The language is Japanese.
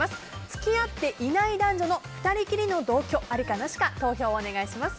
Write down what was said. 付き合っていない男女の２人きりの同居、ありかなしか投票をお願いします。